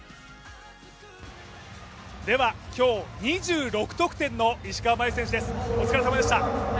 今日２６得点の石川真佑選手です、お疲れさまでした。